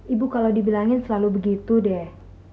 ibu kalau dibilangin selalu begitu deh